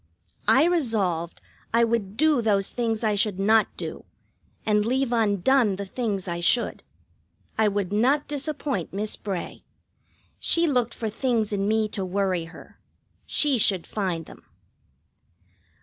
I resolved I would do those things I should not do, and leave undone the things I should. I would not disappoint Miss Bray. She looked for things in me to worry her. She should find them.